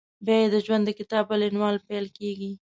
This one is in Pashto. بیا یې د ژوند د کتاب بل عنوان پیل کېږي…